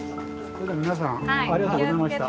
それじゃ皆さんありがとうございました。